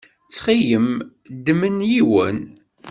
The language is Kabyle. Ttxil-m ddem-n yiwen.